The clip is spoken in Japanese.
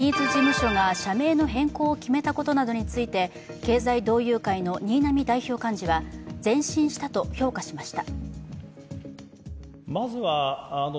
ジャニーズ事務所が社名の変更を決めたことなどについて経済同友会の新浪代表幹事は前進したと評価しました。